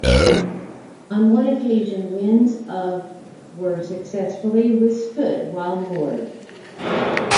On one occasion winds of were successfully withstood while moored.